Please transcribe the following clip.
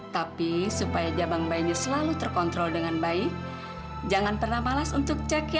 tapi supaya cabang bayinya selalu terkontrol dengan baik jangan pernah malas untuk cek ya